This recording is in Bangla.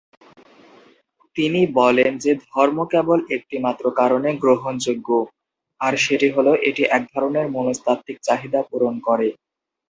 তিনি বলেন যে ধর্ম কেবল একটিমাত্র কারণে গ্রহণযোগ্য, আর সেটি হল এটি এক ধরনের মনস্তাত্ত্বিক চাহিদা পূরণ করেন।